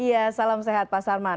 iya salam sehat pak sarman